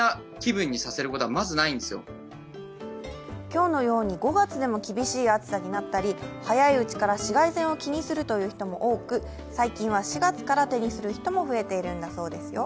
今日のように５月でも厳しい暑さになったり、早いうちから紫外線を気にするという人も多く最近は４月から手にする人も増えているんだそうですよ。